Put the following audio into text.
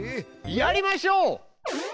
やりましょう！